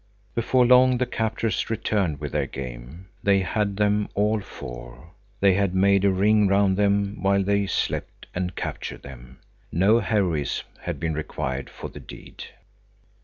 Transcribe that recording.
Before long the captors returned with their game. They had them all four. They had made a ring round them while they slept and captured them. No heroism had been required for the deed.